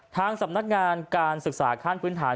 ทางสำนักงานการศึกษาขั้นพื้นฐาน